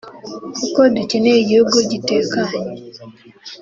kuko dukeneye igihugu gitekanye